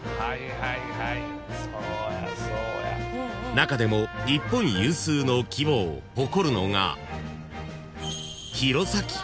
［中でも日本有数の規模を誇るのが］